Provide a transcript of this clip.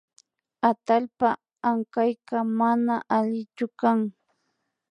Atallpa ankayka mana allichu kan